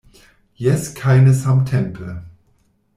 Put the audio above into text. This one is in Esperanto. Jes kaj ne samtempe.